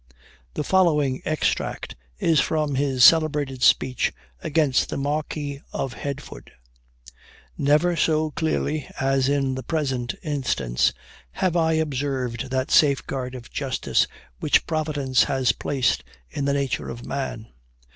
The following extract is from his celebrated speech against the Marquis of Headfort: "Never so clearly as in the present instance, have I observed that safeguard of justice which Providence has placed in the nature of man.